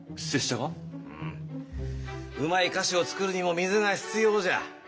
うまい菓子をつくるにも水が必要じゃ。